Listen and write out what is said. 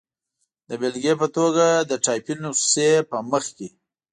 د بېلګې په توګه، د ټایپي نسخې په مخ کې.